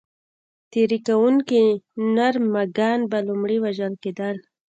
تېري کوونکي نر مږان به لومړی وژل کېدل.